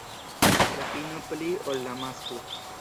La ino pli ol la masklo.